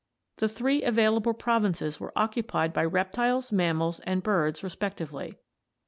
The three available provinces were occupied by reptiles, mammals, and birds respectively.